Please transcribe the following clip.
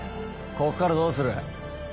ここからどうする？